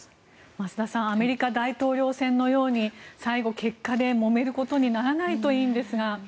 増田さんアメリカ大統領選のように最後、結果でもめることにならないといいんですが。